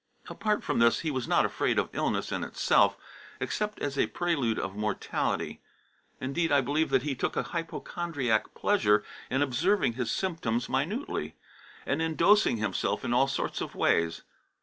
Apart from this, he was not afraid of illness in itself, except as a prelude of mortality. Indeed I believe that he took a hypochondriac pleasure in observing his symptoms minutely, and in dosing himself in all sorts of ways.